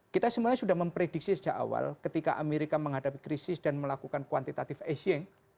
kita semuanya sudah memprediksi sejak awal ketika amerika menghadapi krisis dan melakukan quantitative easing